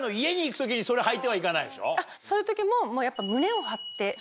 そういう時も。